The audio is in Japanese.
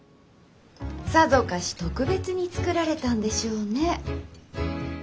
さぞかし特別に作られたんでしょうね。